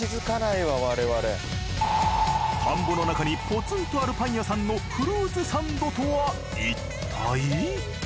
田んぼの中にポツンとあるパン屋さんのフルーツサンドとはいったい？